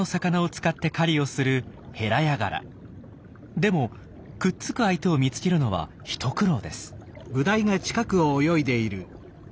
でもくっつく相手を見つけるのは一苦労です。